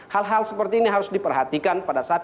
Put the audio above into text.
hal hal seperti ini harus diperhatikan pada saat